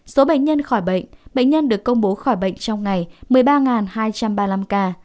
số bệnh nhân khỏi bệnh bệnh nhân được công bố khỏi bệnh trong ngày một mươi ba hai trăm ba mươi năm ca